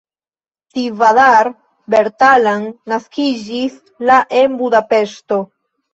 Tivadar Bertalan naskiĝis la en Budapeŝto.